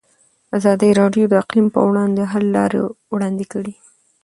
ازادي راډیو د اقلیم پر وړاندې د حل لارې وړاندې کړي.